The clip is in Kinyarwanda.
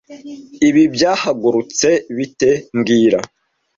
Ibi byahagurutse bite mbwira